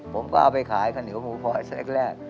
ผมก็เอาไปขายข้าวเหนียวหมูพลอยเซ็กแรก